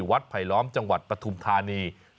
ไผลล้อมจังหวัดปฐุมธานี